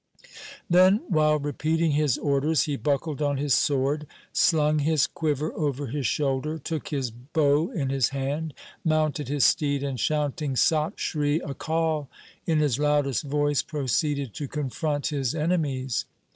1 Then while repeating his orders he buckled on his sword, slung his quiver over his shoulder, took his bow in his hand, mounted his steed, and shouting ' Sat Sri Akal ' in his loudest voice proceeded to confront his enemies.